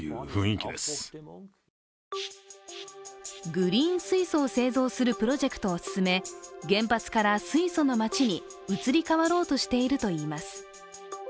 グリーン水素を製造するプロジェクトを進め原発から水素の街に移り変わろうとしています。